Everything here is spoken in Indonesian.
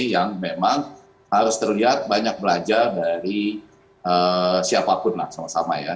yang memang harus terlihat banyak belajar dari siapapun lah sama sama ya